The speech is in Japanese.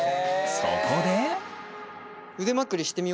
そこで。